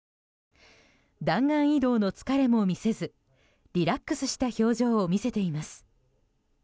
弾丸移動の疲れも見せずリラックスした表情を見せています。